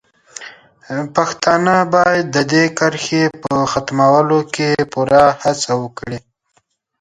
پښتانه باید د دې کرښې په ختمولو کې پوره هڅه وکړي.